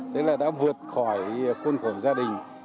tức là đã vượt khỏi khôn khổ gia đình